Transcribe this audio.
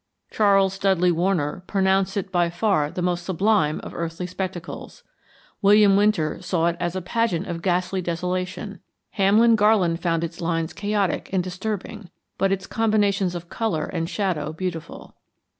Charles Dudley Warner pronounced it by far the most sublime of earthly spectacles. William Winter saw it a pageant of ghastly desolation. Hamlin Garland found its lines chaotic and disturbing but its combinations of color and shadow beautiful.